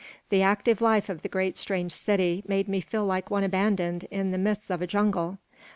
The active life of the great strange city made me feel like one abandoned in the midst of a jungle.